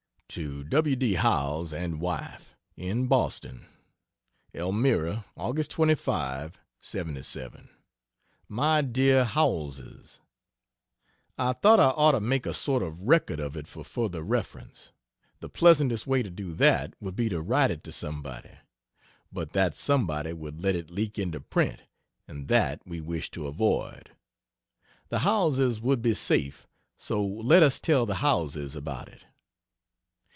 To W. D. Howells and wife, in Boston: ELMIRA, Aug. 25 '77. MY DEAR HOWELLSES, I thought I ought to make a sort of record of it for further reference; the pleasantest way to do that would be to write it to somebody; but that somebody would let it leak into print and that we wish to avoid. The Howellses would be safe so let us tell the Howellses about it.